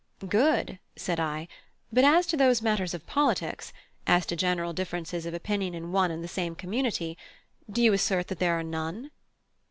"Good," said I, "but as to those matters of politics; as to general differences of opinion in one and the same community. Do you assert that there are none?"